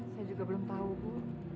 saya juga belum tahu bu